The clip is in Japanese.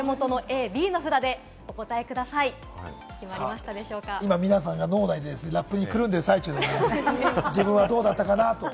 お手元のＡ・Ｂの札でお答え皆さんが脳内でラップにくるんでいる最中でございます、自分はどうだったかなと。